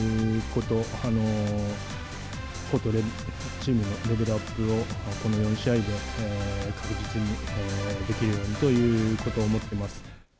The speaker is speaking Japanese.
個とチームのレベルアップをこの４試合で確実にできるようにということを思ってます。